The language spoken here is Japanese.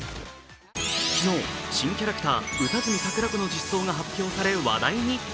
昨日新キャラクター歌住サクラコの実装が発表され話題に。